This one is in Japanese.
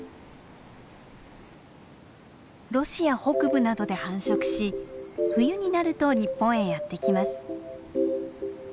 ロシア北部などで繁殖し冬になると日本へやって来ます。